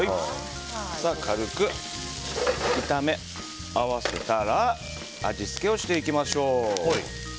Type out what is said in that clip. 軽く炒め合わせたら味付けをしていきましょう。